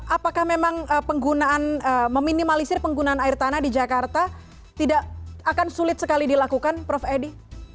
apakah memang penggunaan meminimalisir penggunaan air tanah di jakarta tidak akan sulit sekali dilakukan prof edi